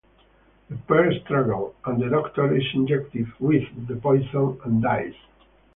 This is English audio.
The pair struggle, and the doctor is injected with the poison and dies.